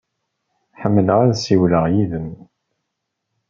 Ḥemmleɣ ad ssiwleɣ yid-m.